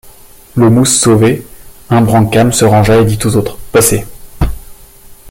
Le mousse sauvé, Imbrancam se rangea et dit aux autres: — Passez.